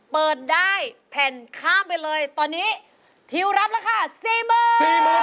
เปิดได้แผ่นข้ามไปเลยตอนนี้ทิวรับราคา๔๐๐๐บาท